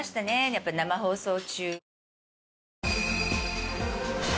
やっぱ生放送中。